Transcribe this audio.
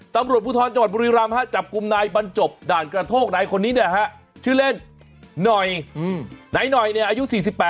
ตำรวจบกุมนายปันจบด่านกระโทกในคนนี้ชื่อเล่นหน่อยนายหน่อยอายุ๔๘